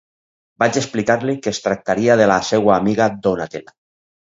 Vaig explicar-li que es tractaria de la seua amiga Donatella.